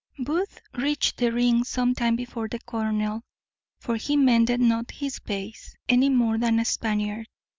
Booth reached the ring some time before the colonel; for he mended not his pace any more than a Spaniard.